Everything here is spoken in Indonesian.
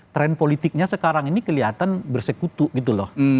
tren politiknya sekarang ini kelihatan bersekutu gitu loh